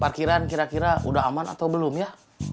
parkiran kira kira udah aman atau belum ya